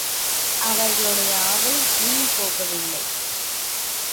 அவர்களுடைய ஆவல் வீண் போகவில்லை.